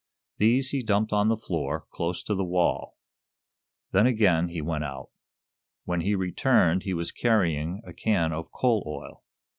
These he dumped on the floor, close to a wall. Then, again, he went out. When he returned he was carrying a can of coal oil.